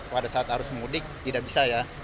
pada saat arus mudik tidak bisa ya